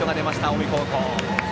近江高校。